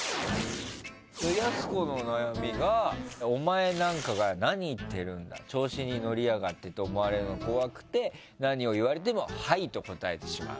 やす子の悩みがお前なんかが何言ってるんだ調子に乗りやがってと思われるのが怖くて何を言われてもはいと答えてしまう。